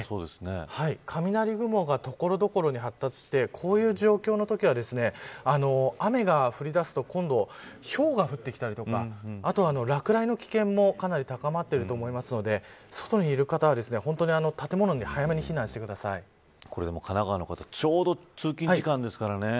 雷雲が所々に発達してこういう状況のときは雨が降りだすと今度ひょうが降ってきたりとかあと落雷の危険もかなり高まっていると思うので外にいる方は本当に建物にこれでも神奈川の方ちょうど通勤時間ですからね。